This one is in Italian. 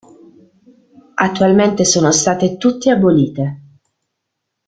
Attualmente sono state tutte abolite.